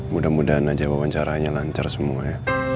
mudah mudahan aja wawancaranya lancar semua ya